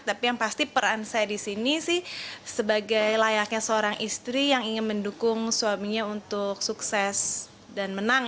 tapi yang pasti peran saya di sini sih sebagai layaknya seorang istri yang ingin mendukung suaminya untuk sukses dan menang